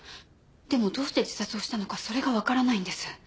でもどうして自殺をしたのかそれがわからないんです。